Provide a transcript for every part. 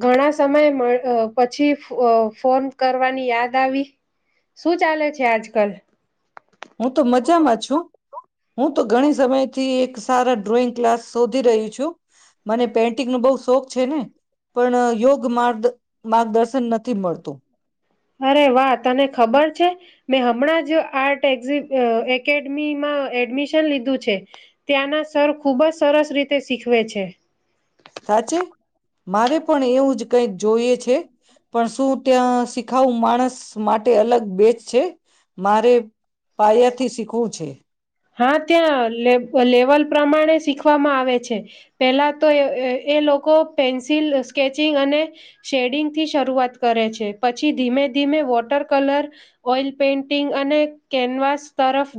ઘણા સમય મ અ પછી અ ફોન કરવાની યાદ આવી. શું ચાલે છે આજ કલ? હું તો મજામાં છું. હું તો ઘણી સમયથી એક સારા ડ્રોઈંગ ક્લાસ શોધી રહ્યું છું. મને પેન્ટિંગ નો બહુ શોખ છે ને પણ યોગ માર્ માર્ગદર્શન નથી મળતું. અરે વાહ તને ખબર છે મેં હમણાં જ આર્ટ એક્ઝ એકેડમીમાં એડમિશન લીધું છે. ત્યાંના સર ખુબ જ સરસ રીતે શીખવે છે. સાચે મારે પણ એવું જ કઈ જોઈએ છે. પણ શું ત્યાં શીખાવું માણસ માટે અલગ બેચ છે. મારે પાયા થી શીખવું છે. હા ત્યાં લે લેવલ પ્રમાણે શીખવામાં આવે છે પેલા તો એ લોકો પેન્સિલ સ્કેચિંગ અને શેડિંગ થી શરૂઆત કરે છે પછી ધીમે ધીમે વોટર કલર ઓઈલ પેન્ટિંગ અને કેનવાસ તરફ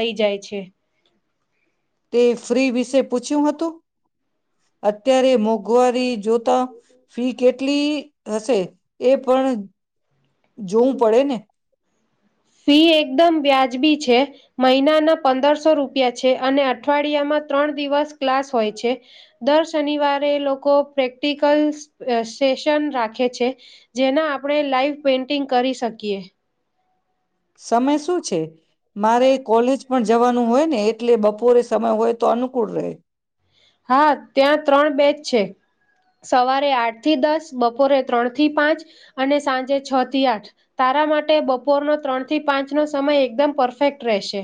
લઈ જાય. પ છે. તે ફ્રી વિશે પૂછ્યું હતું. અત્યારે મોંઘવારી જોતા ફી કેટલી હશે એ પણ જોવું પડે ને. ફી એકદમ વ્યાજબી છે મહિનાના પંદરસો રૂપિયા છે અને અઠવાડિયામાં ત્રણ દિવસ ક્લાસ હોય છે દર શનિવારે લોકો પ્રેક્ટિકલ સેશન રાખે છે જેના આપણે લાઈવ પેન્ટિંગ કરી શકીએ. સમય શું છે મારે કોલેજ પણ જવાનું. હોય ને એટલે બપોરે સમય હોય તો અનુકૂળ રહે. હા ત્યાં ત્રણ બેચ છે. સવારે આઠ થી દસ, બપોરે ત્રણ થી પાંચ અને સાંજે છ થી આઠ તારા માટે બપોરનો ત્રણ થી પાંચ નો સમય એકદમ પરફેક્ટ રહેશે.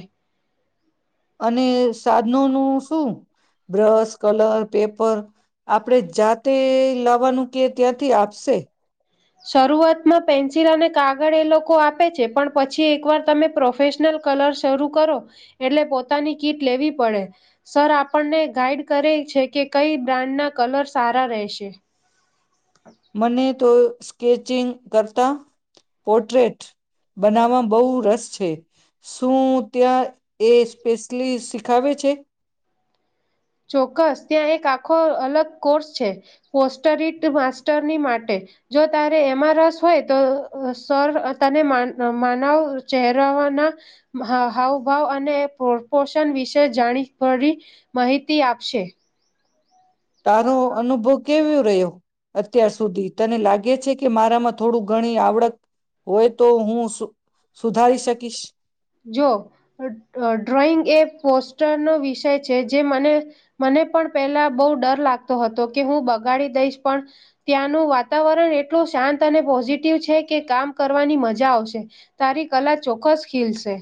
અને [unintelligible] નું શું? બ્રશ, કલર, પેપર આપડે જાતે લાવવાનું? કે ત્યાંથી આપશે? શરૂઆતમાં પેન્સિલ અને કાગળ એ લોકો આપે છે. પણ પછી એકવાર તમે પ્રોફેશનલ કલર શરૂ કરો એટલે પોતાની કીટ લેવી પડે. સર આપણને ગાઈડ કરે છે કે કઈ બ્રાન્ડના કલર સારા રહેશે. મને તો સ્ચિંગ કરતા પોર્ટ્રેટ બનાવામાં બહુ રસ છે. છે. શું ત્યાં એ સ્પેશલી શ ખાવે છે. ચોક્કસ ત્યાં એક આખો અલગ કોર્સ છે. પોસ્ટરીત માસ્ટરની માટે. જો તારે એમાં રસ હોય તો સર તને માનવ ચહેરાવાના હાવભાવ અને પ્રપોશન વિશે જાણી ભરી માહિતી તિ આપશે તારો અનુભવ કેવું રહ્યો? અત્યાર સુધી, તને લાગે છે કે મારામાં થોડું ઘણી આવડટ હોય તો હું સુધારી શકીશ જો ડ્રોઈંગ એ પોસ્ટર નો વિષય છે જે મને મને પણ પેલા બહુ ડર લાગતો હતો કે હું બગાડી દઈશ પણ ત્યાંનું વાતાવરણ એટલું શાંત અને પોઝિટિવ છે કે કામ કરવાની મજા આવશે. તારી કલા ચોક્કસ ખીલશે.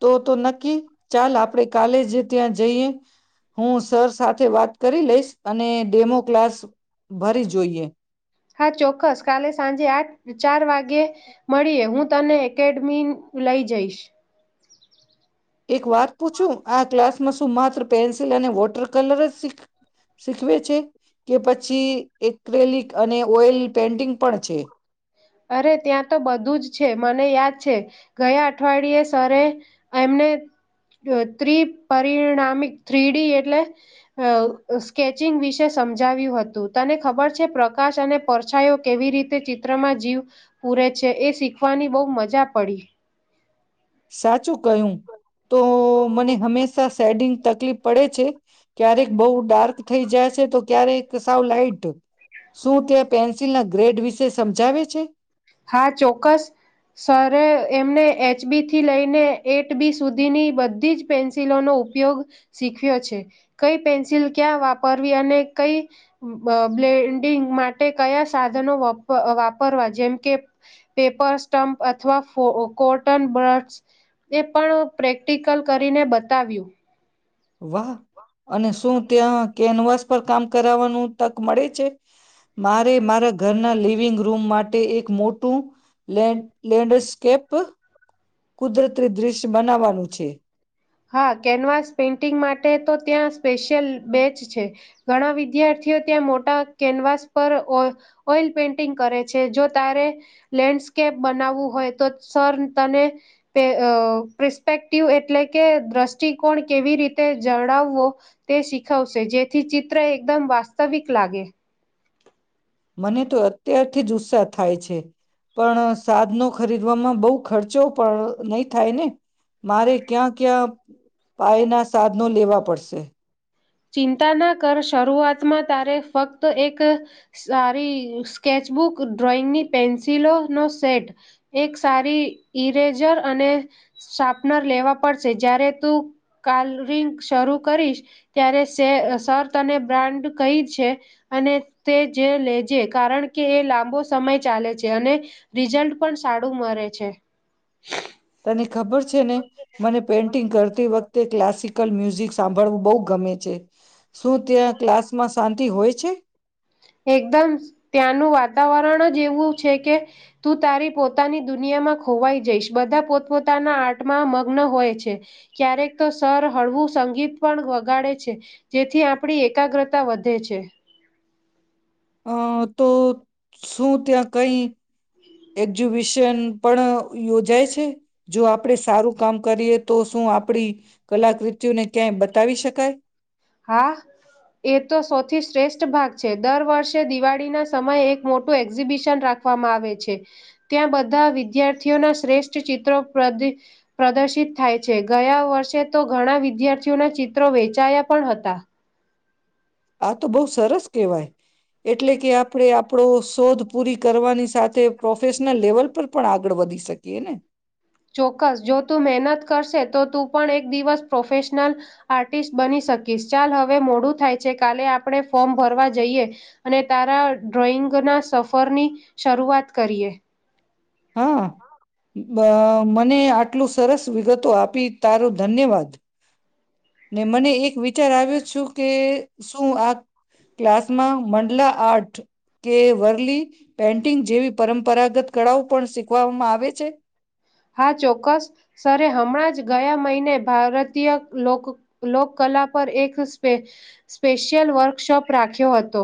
તો, તો નક્કી ચાલ આપણેે કાલે જ ત્યાં જઈએ. હું સર સાથે વાત કરી લઈશ અને ડેમો ક્લાસ ભરી જોઈએ. હા ચોક્કસ કાલે સાંજે આજ ચાર વાગે મળીએ. હું તને એકેડમી લઈ જઈશ. એક વાત પૂછું? આ ક્લાસમાં શું માત્ર પેન્સિલ અને વોટર કલર જ શીખ શીખવે છે. કે પછી એક્રેલિક અને ઓઇલ પેન્ટિંગ પણ છે. અરે ત્યાં તો બધું જ છે. મને યાદ છે ગયા અઠવાડિયે સર એમને ટ્રી પરિણામિક થ્રીડી એટલે સ્કેચિંગ વિશે સમજાવ્યું હતું તને ખબર છે? પ્રકાશ અને પરછાયો કેવી રીતે ચિત્રમા જીવ પૂરે છે. એ શીખવાની બહ મજા પડી. સાચું કહું તો મને હંમેશા શેડિંગ તકલીફ પડે છે. ક્યારેક બઉ ડાર્ક થઈ જાય છે તો ક્યારેક કે સાવ લાઈટ શું તે પેન્સિલના ગ્રેડ વિશે સમજાવે છે. હા ચોક્કસ, સર એમને એચ બી થી લઈને એટ બી સુધીની બધી જ પેન્સિલોનો ઉપયોગ શીખ્યો છે, કઈ પેન્સિલ ક્યાં વાપરવી અને કઈ બ્લેન્ડિંગ માટે કયા સાધનો વાપરવા જેમ કે, પેપર સ્ટમ્પ અથવા કોટન બડ્સ એ પણ પ્રેક્ટિકલ કરીને બતાવ્યું. વાહ! અને શું ત્યાં કેનવાસ પર કામ કરાવવાનું તક મળે છે? મારે મારા ઘર ના લિવિંગ રૂમ માટે એક મોટું લેન્ડસ્કેપ કુદરતી દ્રશ્ય બનાવવાનું છે. હા કેનવાસ પેઇન્ટિંગ માટે તો ત્યાં સ્પેશિયલ બેચ છે, ઘણા વિદ્યાર્થીઓ ત્યાં મોટા કેનવાસ પર ઓ ઓઇલ પેઇન્ટિંગ કરે છે જો તારે, લેન્ડસ્કેપ બનાવવું હોય તો સર તને, પી પ્રેસ્પેક્ટિવ એટલે કે દ્રષ્ટિકોણ કેવી રીતે જડાવવો, તે શીખવશે, જેથી ચિત્ર એકદમ વાસ્તવિક લાગે. મને તો અત્યારથી જ ઉત્સાહ થાય છે. પણ સાધ ન ખરીદવામાં બહુ ખર્ચો પણ નહી થાય ને, મારે ક્યાં ક્યાં પાયના સાધનો લેવા પડશે? ચિંતા ના કર શરૂઆતમાં તારે ફક્ત એક, સારી સ્કેચબુક ડ્રોઈંગની પેન્સિલોનો સેટ, એક સારી ઈરેઝર અને, શાર્પનર લેવા પડશે, જયારે તું કલરિંગ શરૂ કરીશ. ત્યારે શર્ત અને બ્રાન્ડ કઈ છે, અને તે જે લે જે કારણ કે એ લાંબો સમય ચાલે છે અને, રિઝલ્ટ પણ સારું મરે છે. તને ખબર છે ને, મને પેઇન્ટિંગ કરતી વખતે ક્લાસિકલ મ્યુઝિક સાંભળવું બહુ ગમે છે. શું ત્યાં ક્લાસમાં શાંતિ હોય છે એકદમ ત્યાંનું વાત વરણ જ એવું છે કે, તું તારી પોતાની દુનિયામાં ખોવાઈ જઈશ, બધા પોતપોતાના આર્ટમાં મગ્ન હોય છે, ક્યારેક તો સર હળવું સંગીત પણ વગાડે છે. જેથી આપણી એકાગ્રતા વધે છે. હં તો શું ત્યાં કંઈ એક્ઝિબિશન પણ યોજાય છે? જો આપડે સારું કામ કરીએ તો શું આપણી કલાકૃતિઓને ક્યાંય બ તાવી શકાય? હા. એ તો સૌથી શ્રેષ્ઠ ભાગ છે. દર વર્ષે દિવાળીના સમયે એક મોટું એક્ઝિબિશન રાખવામાં આવે છે. ત્યાં બધા વિદ્યાર્થીઓના શ્રેષ્ઠ ચિત્રો પ્ર પ્રદર્શિત થાય છે. ગયા વર્ષે તો ઘણા વિદ્યાર્થીઓના ચિત્રો વેચાયા પણ હતા. આ તો બહુ સરસ કહેવાય. એટલે કે, આપણે આપણો શોધ પૂરી કરવાની સાથે પ્રોફેશનલ લેવલ પર પણ આગળ વધી શકીએ ને. ચોક્કસ. જો તું મહેનત કરશે તો તું પણ એક દિવસ પ્રોફેશનલ આર્ટિસ્ટ બની શકીશ. ચાલ હવે મોડું થાય છે, કાલે આપણે ફોર્મ ભરવા જઈએ અને તારા ડ્રોઈંગના સફરની શરૂઆત કરીએ. હા. બ મને આટલું સરસ વિગતો આપી, તારુ ધન્યવાદ. ને મને એક વિચાર આવ્યો શું કે શું આ ક્લાસમાં મંડલા આર્ટ કે વરલી પેન્ટિંગ જેવી પરંપરાગત કળાઓ પણ શીખવામાં આવે છે? હા. ચોક્કસ સરે હમણાં જ ગયા મહિને ભારતીય લોક લોકકલા પર એક સ્પે સ્પેશિયલ વર્કશોપ રાખ્યો હતો.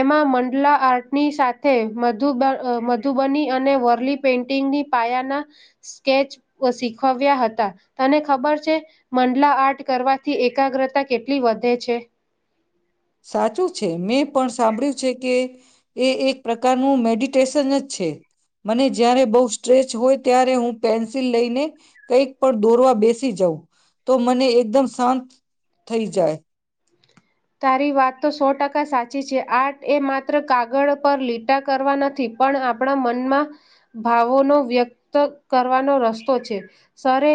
એમાં મંડલા આર્ટની સાથે મધુબ મધુબની અને વરલી પેઇન્ટિંગની પાયાના સ્કેચ પ શીખવ્યા હતા. તને ખબર છે મંડલા આર્ટ કરવાથી એકાગ્રતા કેટલી વધે છે? સાચું છે. મેં પણ સાંભળ્યું છે કે, એ એક પ્રકારનું મેડિ ટેશન જ છે. મને જયારે બઉ સ્ટ્રેચ હોય ત્યારે હું પેન્સિલ લઈને કંઈક પણ દોરવા બેસી જાઉં. તો, મને એકદમ શાંત થઈ જાય. તારી વાત તો સો ટકા સાચી છે. આર્ટ એ માત્ર કાગળ પર લીટા કરવા નથી, પણ આપણા મનમાં ભાવોનો વ્યક્ત કરવાનો રસ્તો છે. સરે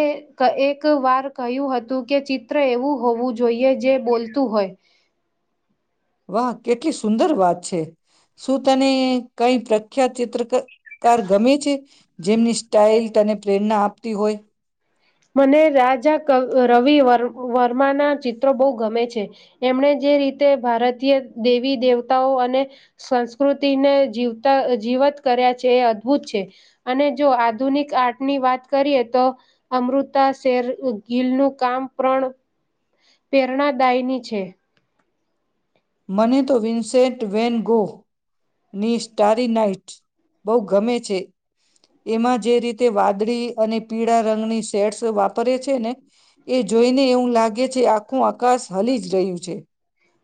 એક વાર કહ્યું હતું કે ચિત્ર એવું હોવું જોઈએ, જે બોલતું હોય. વાહ! કેટલી સુંદર વાત છે. શું તને કંઈ પ્રખ્યાત ચિત્રક કાર ગમે છે? જેમની સ્ટાઇલ તને પ્રેરણા આપતી હોય? મને રાજા ક રવિ વ વર્માના ચિત્રો બહુ ગમે છે. એમણે જે રીતે ભારતીય દેવી દેવતાઓ અને સંસ્કૃતિને જીવતા જીવત કર્યા છે એ અદભુત છે. અને જો આધુનિક આર્ટની વાત કરીએ તો અમૃતા શેર અ ગીલનું કામ પ્રણ પ્રેરણાદાયની છે. મને તો વિન્સેન્ટ વેન ગો ની સ્ટારી નાઇટ બહુ ગમે છે. એમાં જે રીતે વા દરી અને પીળા રંગની શેટ્સ વાપરીએ છે ને, એ જોઈને એવું લાગે છે, આખું આ કાશ હલી જ રહ્યું છે.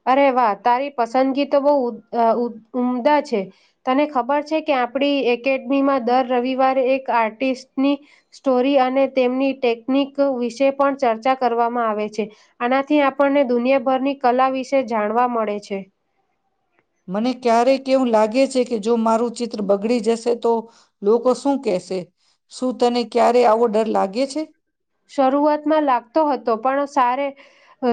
અરે વાહ! તારી પસંદગી તો બહુ ઉદ અ ઉદ ઉમદા છે! તને ખબર છે કે આપણી એકેડમીમાં દર રવિવારે એક આર્ટિસ્ટની સ્ટોરી અને તેમની ટેકનિક વિશે પણ ચર્ચા કરવામાં આવે છે. આનાથી આ આપણને દુનિયાભરની કલા વિશે જાણવા મળે છે. મને ક્યારેક કેવું લાગે છે કે જો મારું ચિત્ર બગડી જશે, તો લોકો શું કેશે? શું તને ક્યારે આવો ડર લાગે છે? શરૂઆતમાં લાગતો હતો પણ સારે,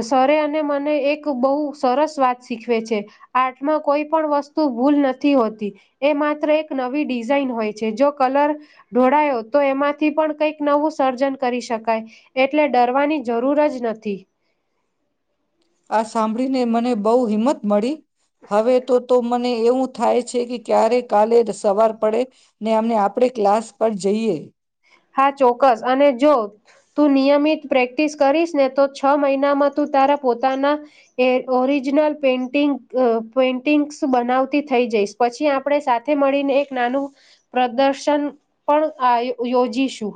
સરે અને મને એક બહુ સરસ વાત શીખવે છે, આર્ટમાં કોઈ પણ વસ્તુ ભૂલ નથી હોતી, એ માત્ર એક નવી ડિઝાઇન હોય છે જો કલર, ઢોળાયો તો એમાંથી પણ કંઈક નવું સર્જન કરી શક કાય એટલે ડરવાની જરૂર જ નથી. આ સાંભળી ને મને બહુ હિંમત મળી, હવે તો તો મને એવું થાય છે કે ક્યારે કાલે જ સવાર પડે, ને અમને આપડે ક્લાસ પર જઈએ. હા ચોક્કસ અને જો, તું નિયમિત પ્રેક્ટિસ કરીશ ને તો છ મહિનામાં તું તારા પોતાના, એ ઓરિજિનલ પેન્ટિ પેઇન્ટિંગ્સ બનાવતી થઈ જઈશ પછી આપણે સાથે મળીને એક નાનું, પ્રદર્શન પણ આ યોજીશું.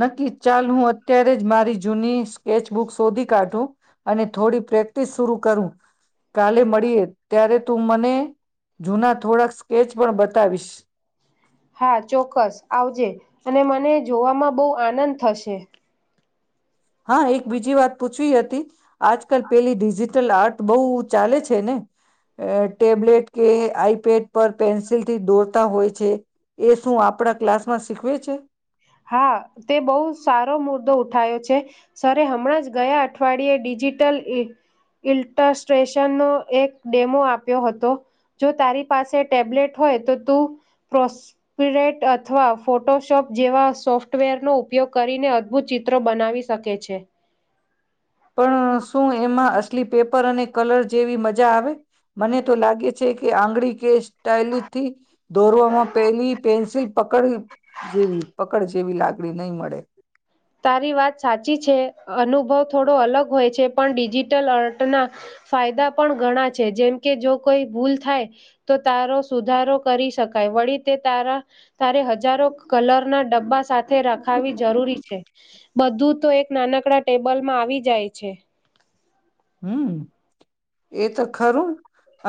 નક્કી ચાલ હું અત્યારે જ મારી જૂની સ્કેચબુક શોધી કાઢું અને થોડી પ્રેક્ટિસ શુરૂ કરું. કાલે મળીએ ત્યારે તું મને જૂના થોડાક સ્કેચ પણ બતાવીશ. હા ચોક્કસ આવજે અને મને જોવામાં બહુ આનંદ થશે. હા એક બીજી વાત પૂછવી હતી. આજ કલ પહેલી ડિજિટલ આર્ટ બહુ ચાલે છે ને, એ ટેબ્લેટ કે આઈપેડ પર પેન્સિલ થી દોરતા હોય. છે. એ શું આપણા ક્લાસ માં સીખવે છે? હા, તે બહુ સારો મુદ્દો ઉઠાયો છે. સરે હમણાં જ ગયા અઠવાડિયે ડિજિટલ ઈ ઇલ્ટસ્ટ્રેશનનો એક ડેમો આપ્યો હતો. જો તારી પાસે ટેબ્લેટ હોય તો તું પ્રોસ્પિરેટ અથવા ફોટોશોપ જેવા સોફ્ટવેરનો ઉપયોગ કરીને અદભુત ચિત્રો બનાવી સકે છે. પણ શું એમાં એટલી પેપર અને કલર જેવી મજા આવે? મને તો લાગે છે કે આંગળી કે ટાયલીથી દોરવામાં પેલી પેન્સિલ પકડ જેવી પકડ જેવી લાગણી નહીં મળે. તારી વાત સાચી છે, અનુભવ થોડો અલગ હોય છે. પણ ડિજિટલ અર્ટના ફાયદા પણ ઘણા છે. જેમ કે જો કોઈ ભૂલ થાય, તો તારો સુધારો કરી શકાય. વળી તે તારા તારે હજારો કલરના ડબ્બા સા થે રખાવવી જરૂરી છે. બધું તો એક નાનકડા ટેબલમાં આવી જાય છે. હમ. એ તો ખરું.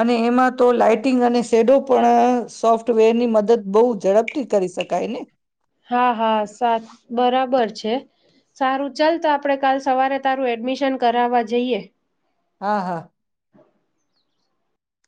અને એમાં તો લાાઈટિંગ અને શેડો પણ સોફ્ટવેરની મદદ બહુ ઝડપથી કરી સકાય ને! હા હા. સા બરાબર છે. સારું ચાલ તો આપણેે કાલ સવારે તારું એડમિશન કરાવવા જઈએ. હા હા.